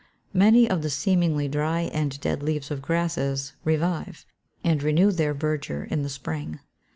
Many of the seemingly dry and dead leaves of grasses revive, and renew their verdure in the spring.